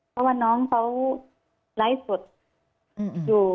เพราะว่าน้องเขาไลฟ์สดอยู่